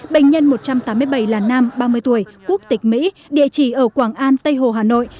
bệnh nhân một trăm tám mươi bảy là nam ba mươi tuổi quốc tịch mỹ địa chỉ ở quảng an tây hồ hà nội